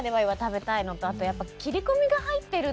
あとやっぱ。